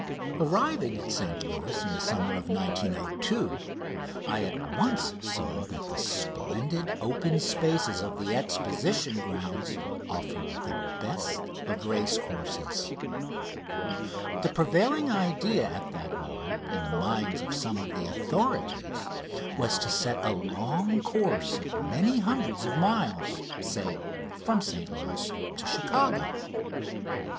Arriving at St Louis in the summer of 1902, I at once saw that the splendid open spaces of the Exposition Grounds offered the best of racecourses. The prevailing idea at that moment in the minds of some of the authorities was to set a long course of many hundreds of miles say, from St Louis to Chicago.